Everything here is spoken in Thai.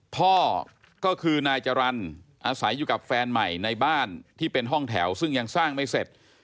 พ่อก็คือนายจรรย์อาศัยอยู่กับแฟนใหม่ในบ้านที่เป็นห้องแถวซึ่งยังสร้างไม่เสร็จ